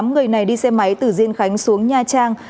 tám người này đi xe máy từ diên khánh xuống nha trang